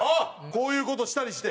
こういう事したりして？